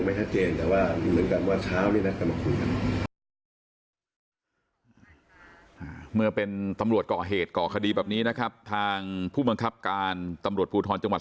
ได้สั่งตั้งกรรมการสอบวินัยร้ายแรงและมีคำสั่งให้ดาบตำรวจพระคพล